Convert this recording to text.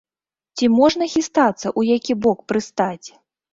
Ці можна хістацца, у які бок прыстаць?